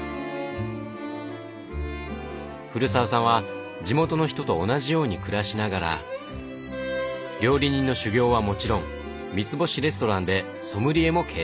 古澤さんは地元の人と同じように暮らしながら料理人の修業はもちろん三つ星レストランでソムリエも経験。